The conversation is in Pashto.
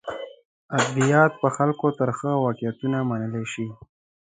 ادبیات په خلکو ترخه واقعیتونه منلی شي.